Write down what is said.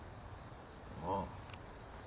ああ。